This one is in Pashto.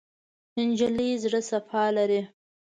نجلۍ زړه صفا لري.